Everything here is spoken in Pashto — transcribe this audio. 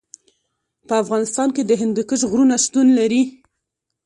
په افغانستان کې د هندوکش غرونه شتون لري.